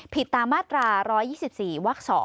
ผิดตามมาตรา๑๒๔วัก๒